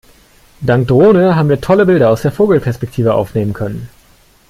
Dank Drohne haben wir tolle Bilder aus der Vogelperspektive aufnehmen können.